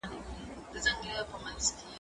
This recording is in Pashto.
زه به اوږده موده پوښتنه کړې وم!؟